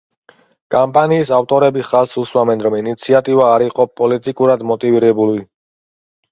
კამპანიის ავტორები ხაზს უსვამენ, რომ ინიციატივა არ იყო პოლიტიკურად მოტივირებული.